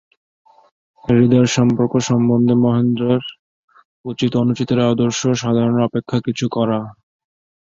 হৃদয়ের সম্পর্ক সম্বন্ধে মহেন্দ্রের উচিত-অনুচিতের আদর্শ সাধারণের অপেক্ষা কিছু কড়া।